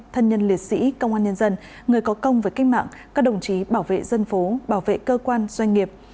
thân nhân liệt sĩ công an nhân dân người có công với cách mạng các đồng chí bảo vệ dân phố bảo vệ cơ quan doanh nghiệp